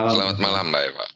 selamat malam mbak eva